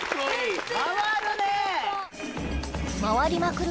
回りまくる